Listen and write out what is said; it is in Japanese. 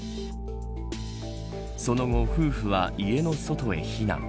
その後、夫婦は家の外へ避難。